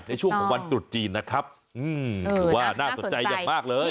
ในช่วงของวันตรุษจีนนะครับถือว่าน่าสนใจอย่างมากเลย